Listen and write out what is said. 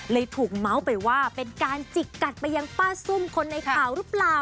ถูกเมาส์ไปว่าเป็นการจิกกัดไปยังป้าซุ่มคนในข่าวหรือเปล่า